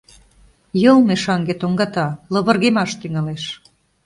Йылме, шаҥге тоҥгата, лывыргемаш тӱҥалеш.